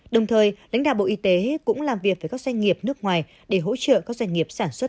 đồng thời lãnh đạo bộ y tế cũng làm việc với các doanh nghiệp nước ngoài để hỗ trợ các doanh nghiệp sản xuất